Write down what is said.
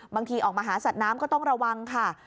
ออกมาหาสัตว์น้ำก็ต้องระวังค่ะ